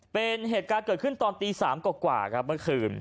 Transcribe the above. เป็นเหตุการณ์เกิดขึ้นตอนตี๓กว่าครับเมื่อคืน